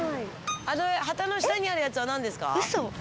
旗の下にあるやつはなんですか？